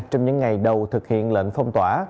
trong những ngày đầu thực hiện lệnh phong tỏa